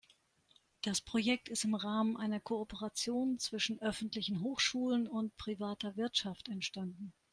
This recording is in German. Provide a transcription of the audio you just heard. Das Projekt ist im Rahmen einer Kooperation zwischen öffentlichen Hochschulen und privater Wirtschaft entstanden.